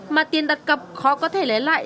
mà tiền đặt cặp khó có thể lấy lại